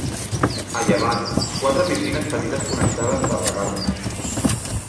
A llevant quatre piscines petites connectades per regates.